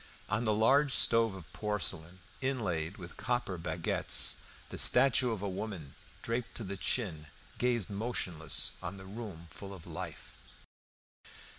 On the large stove of porcelain inlaid with copper baguettes the statue of a woman, draped to the chin, gazed motionless on the room full of life.